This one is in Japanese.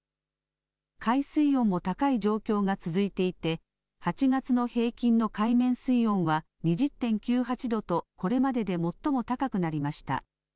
海水温も高い状況が続いていて８月の平均の海面水温は２０．９８度とこれまでで最も高くなりました。